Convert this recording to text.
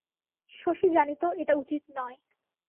শশী জানিত এটা উচিত নয়।